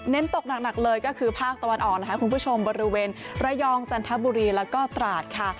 ตกหนักเลยก็คือภาคตะวันออกนะคะคุณผู้ชมบริเวณระยองจันทบุรีแล้วก็ตราดค่ะ